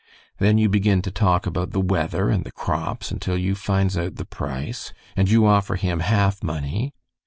Then you begin to talk about the weather and the crops until you finds out the price, and you offer him half money.